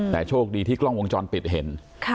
แต่โชคดีที่กล้องวงจรปิดเห็น